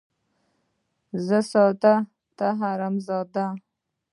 ـ زه ساده ،ته حرام زاده.